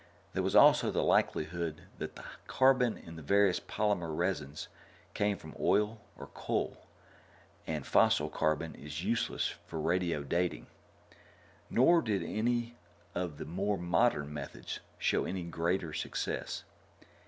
There was also the likelihood that the carbon in the various polymer resins came from oil or coal, and fossil carbon is useless for radio dating. Nor did any of the more modern methods show any greater success.